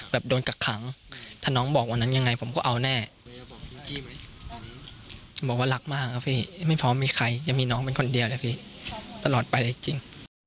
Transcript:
โดนกักขังถ้าน้องบอกวันนั้นยังไงผมก็เอาแน่บอกว่ารักมากครับพี่ไม่พร้อมมีใครจะมีน้องเป็นคนเดียวนะพี่ตลอดไปได้จริง